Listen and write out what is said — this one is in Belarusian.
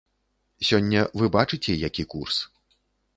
Сёння, вы бачыце, які курс.